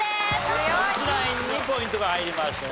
野口ナインにポイントが入りました。